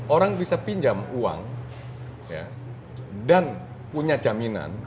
orang bisa pinjam uang dan punya jaminan